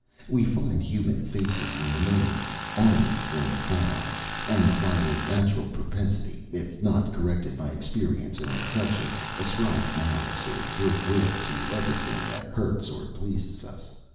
We find human faces in the moon, armies in the clouds; and, by a natural propensity, it not corrected by experience and reflection, ascribe malice or good will to everything that hurts or pleases us.